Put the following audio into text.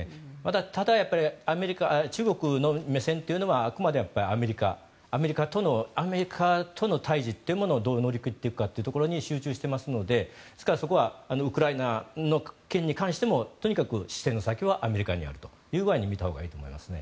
ただ、中国の目線というのはあくまでアメリカアメリカとの対峙というものをどう乗り切っていくかに集中していますのでですからそこはウクライナの件に関してもとにかく視線の先はアメリカにあるというぐらいに見たほうがいいと思います。